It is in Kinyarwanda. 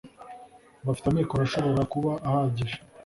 bafite amikoro ashobora kuba ahagije